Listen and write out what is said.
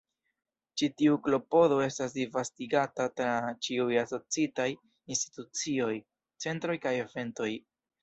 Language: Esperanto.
Ĉi tiu klopodo estas disvastigata tra ĉiuj asociitaj institucioj, centroj kaj eventoj.